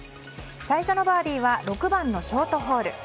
最初のバーディーは６番のショートホール。